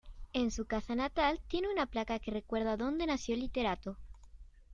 En su casa natal tiene una placa que recuerda dónde nació el literato.